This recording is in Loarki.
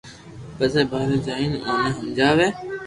پپسي ٻاري جائين اوني ھمجاوئي